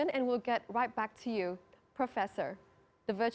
terima kasih banyak prof bustanawarifin